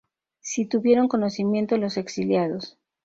Sí tuvieron conocimiento los exiliados.